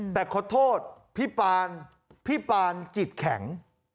แต่ขอโทษพี่ปานพี่ปานจิตแข็ง